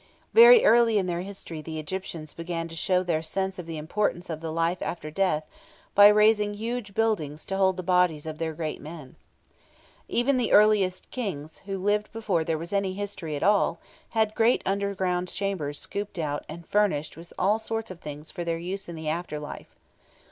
Very early in their history the Egyptians began to show their sense of the importance of the life after death by raising huge buildings to hold the bodies of their great men. Even the earliest Kings, who lived before there was any history at all, had great underground chambers scooped out and furnished with all sorts of things for their use in the after life.